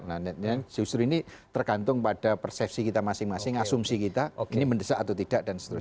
nah justru ini tergantung pada persepsi kita masing masing asumsi kita ini mendesak atau tidak dan seterusnya